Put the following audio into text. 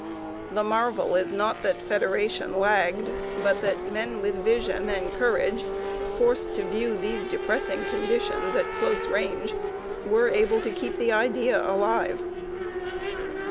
The marvel is not that federation lagged, but that men with vision and courage, forced to view these depressing conditions at close range, were able to keep the idea alive.